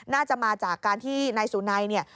น่าจะมาจากการที่นายสุนัยเนี่ย